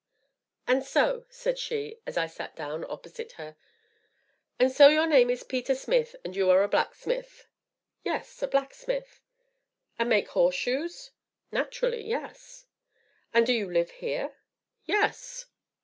"And so," said she, as I sat down opposite her, "and so your name is Peter Smith, and you are a blacksmith?" "Yes, a blacksmith." "And make horseshoes?" "Naturally, yes." "And do you live here?" "Yes."